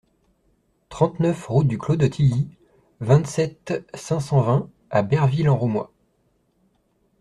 trente-neuf route du Clos de Tilly, vingt-sept, cinq cent vingt à Berville-en-Roumois